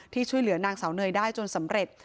ช่วยเหลือนางสาวเนยได้จนสำเร็จ